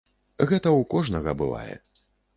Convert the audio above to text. Гэта ў кожнага бывае.